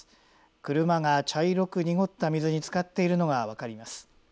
車が茶色く濁った水につかっているのが分かります。